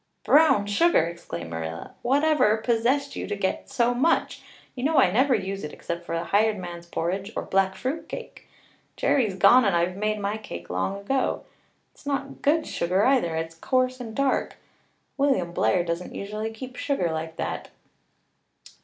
"Brown sugar!" exclaimed Marilla. "Whatever possessed you to get so much? You know I never use it except for the hired man's porridge or black fruit cake. Jerry's gone and I've made my cake long ago. It's not good sugar, either it's coarse and dark William Blair doesn't usually keep sugar like that."